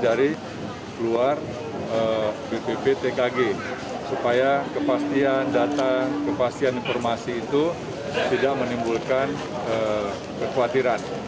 dari luar bpptkg supaya kepastian data kepastian informasi itu tidak menimbulkan kekhawatiran